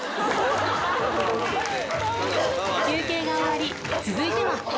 休憩が終わり、続いては。